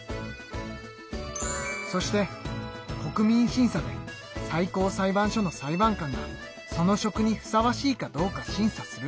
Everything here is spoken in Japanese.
そして国民審査で最高裁判所の裁判官がその職にふさわしいかどうか審査する。